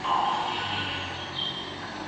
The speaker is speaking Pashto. موږ غواړو تاسو راضي وساتو.